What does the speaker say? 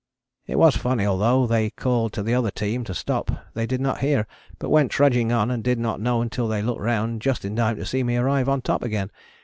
It was funny although they called to the other team to stop they did not hear, but went trudging on and did not know until they looked round just in time to see me arrive on top again.